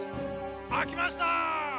開きました！